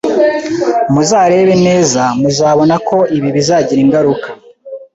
Muzarebe neza, muzabona ko ibi bizagira ingaruka: